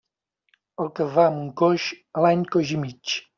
El que va amb un coix, a l'any coix i mig.